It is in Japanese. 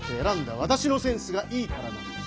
わたしのセンスがいいからなんです。